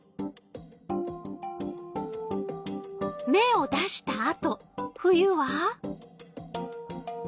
芽を出したあと冬は？